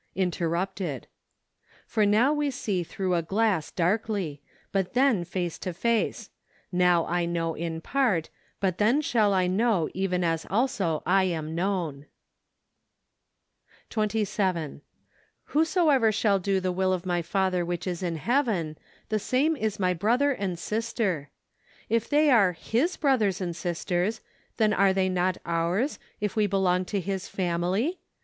Interrupted. "For now we see through a glass, darkly; but then face to face: now I know in part; but then shall I know even as also lam known ." 27. " Whosoever shall do the will of my Father which is in Heaven, the same is my brother and sister." If they are Iii$ brothers and sisters then are they not ours, if we belong to His family